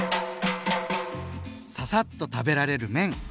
ササッと食べられる麺！